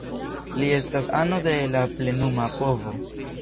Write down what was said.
Li estas ano de la plenuma povo.